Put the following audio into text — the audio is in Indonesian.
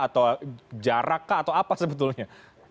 atau jarak kah atau apa sebetulnya